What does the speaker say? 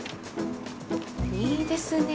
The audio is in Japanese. いいですね。